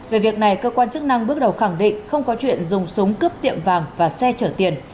về việc này cơ quan chức năng bước đầu khẳng định không có chuyện dùng súng cướp tiệm vàng và xe chở tiền